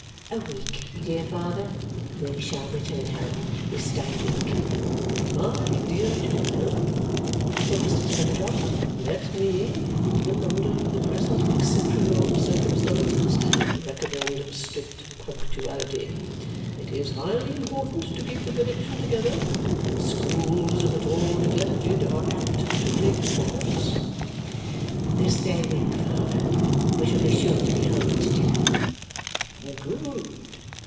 "A week, dear father. We shall return home this day week." "My dear child," said Mr. Turveydrop, "let me, even under the present exceptional circumstances, recommend strict punctuality. It is highly important to keep the connexion together; and schools, if at all neglected, are apt to take offence." "This day week, father, we shall be sure to be home to dinner." "Good!"